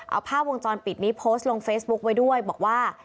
เอาภาพวงจรปิดนี้โพสต์ลงเฟซบุ๊คไว้ด้วยบอกว่า